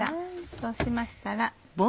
そうしましたら。